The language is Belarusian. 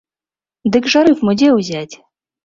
Дык жа рыфму дзе ўзяць?